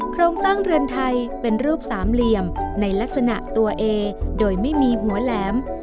โครงสร้างเรือนไทยเป็นรูปสามเหลี่ยมในลักษณะตัวเอโดยไม่มีหัวแหลม